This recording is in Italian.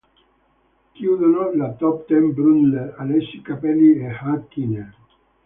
Chiudono la top ten Brundle, Alesi, Capelli e Häkkinen.